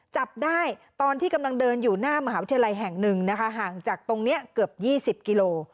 จับได้ตอนที่กำลังเดินอยู่หน้ามหาวิทยาลัยแห่งหนึ่งนะคะห่างจากตรงนี้เกือบ๒๐กิโล